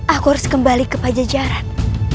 aku harus kembali ke pajajaran